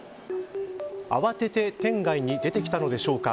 慌てて店外に出てきたのでしょうか